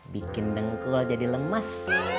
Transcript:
bikin dengkul jadi lemas